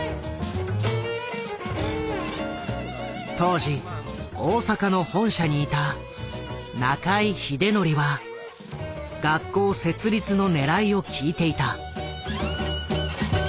当時大阪の本社にいた中井秀範は学校設立のねらいを聞いていた。